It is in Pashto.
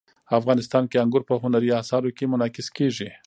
افغانستان کې انګور په هنري اثارو کې منعکس کېږي.